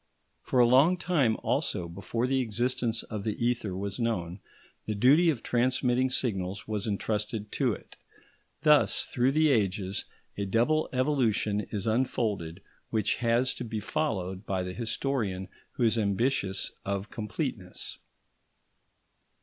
For a long time also before the existence of the ether was known, the duty of transmitting signals was entrusted to it. Thus through the ages a double evolution is unfolded which has to be followed by the historian who is ambitious of completeness.